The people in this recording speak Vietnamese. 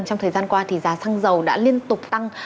trong thời gian qua thì giá xăng dầu đã liên tục tăng